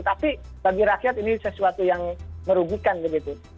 tapi bagi rakyat ini sesuatu yang merugikan begitu